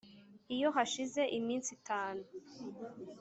iyo hashize iminsi itanu